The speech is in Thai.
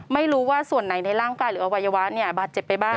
ไม่รู้ว่าส่วนไหนในร่างกายหรืออวัยวะเนี่ยบาดเจ็บไปบ้าง